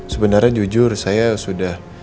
sebenarnya jujur saya sudah